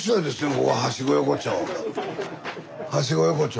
ここはしご横丁。